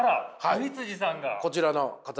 こちらの方です。